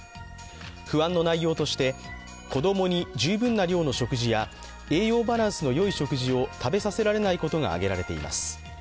不安の内容として、子供に十分な量の食事や栄養バランスのよい食事を食べさせられないことが挙げられています。